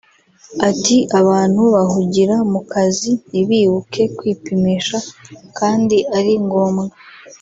Ati “Abantu bahugira mu kazi ntibibuke kwipisha kandi ari ngombwa